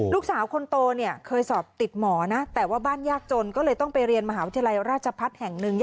ลูกสาวคนโตเนี่ยเคยสอบติดหมอนะแต่ว่าบ้านยากจนก็เลยต้องไปเรียนมหาวิทยาลัยราชพัฒน์แห่งหนึ่ง